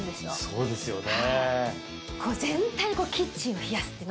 そうですね。